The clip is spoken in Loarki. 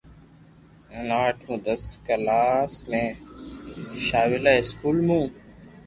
ھين آٺ مون دس ڪلاس ۾ ݾاوليلا اسڪول مون